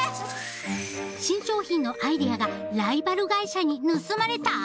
新商品のアイデアがライバル会社に盗まれた！？